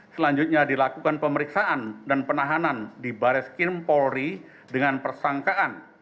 selanjutnya dilakukan pemeriksaan dan penahanan di baris kim polri dengan persangkaan